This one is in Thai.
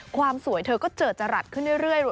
ความสวยเธอก็เจอจรัสขึ้นเรื่อย